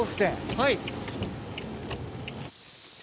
はい。